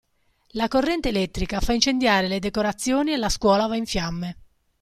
La corrente elettrica fa incendiare le decorazioni e la scuola va in fiamme.